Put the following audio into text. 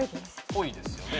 ぽいですよね。